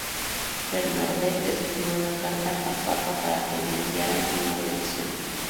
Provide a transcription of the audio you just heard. Bernadette escribió una carta al papa para que le enviara una bendición.